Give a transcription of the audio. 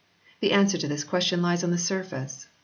The answer to this question lies on the surface.